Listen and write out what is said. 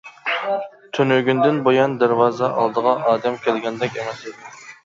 تۈنۈگۈندىن بۇيان دەرۋازا ئالدىغا ئادەم كەلگەندەك ئەمەس ئىدى.